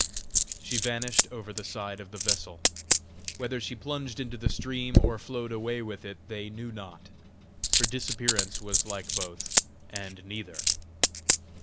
She vanished over the side of the vessel. Whether she plunged into the stream, or flowed away with it, they knew not; her disappearance was like both and neither.